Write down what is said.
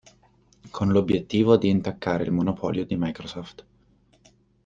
Con l'obiettivo di intaccare il monopolio di Microsoft.